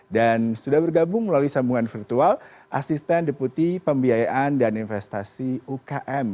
dan sudah bergabung melalui sambungan virtual asisten deputi pembiayaan dan investasi ukm